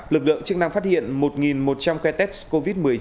lực lượng chức năng phát hiện một một trăm linh ca test covid một mươi chín